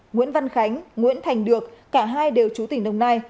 nguyễn văn khánh nguyễn thành được cả hai đều chú tỉnh đồng nai